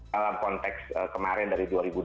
dalam konteks kemarin dari dua ribu dua puluh